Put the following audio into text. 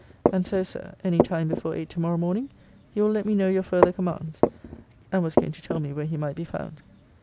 And so, Sir, any time before eight tomorrow morning, you will let me know your further commands. And was going to tell me where he might be found.